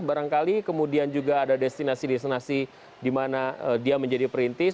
barangkali kemudian juga ada destinasi destinasi di mana dia menjadi perintis